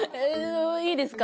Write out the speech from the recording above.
いいですか？